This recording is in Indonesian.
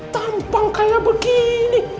tampang kayak begini